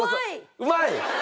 うまい！